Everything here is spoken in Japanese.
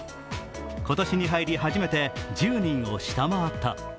今年に入り、初めて１０人を下回った。